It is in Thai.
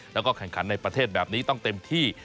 แล้วก็แข่งขันในประเทศแบบนี้ต้องเต็มที่